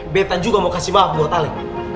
betta juga mau kasih maaf buat ale